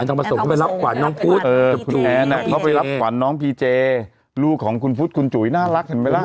เธอไปรับขวัญน้องพีเจลูกของคุณฟุ๊ดคุณจุ๊ยน่ารักเห็นไหมล่ะ